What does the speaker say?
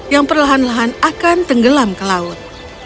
yang perlahan lahan akan tenggelam ke laut